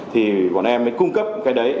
thì bọn em mới cung cấp cái đấy